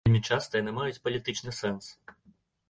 Вельмі часта яны маюць палітычны сэнс.